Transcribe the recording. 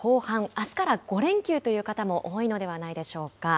あすから５連休という方も多いのではないでしょうか。